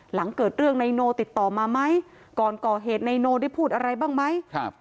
หลังเกิดเรื่องนายโนติดต่อมาไหมก่อนก่อเหตุนายโนได้พูดอะไรบ้างไหมครับ